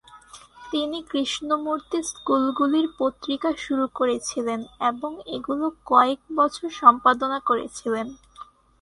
তিনি কৃষ্ণমূর্তি স্কুলগুলির পত্রিকা শুরু করেছিলেন এবং এগুলি কয়েক বছর সম্পাদনা করেছিলেন।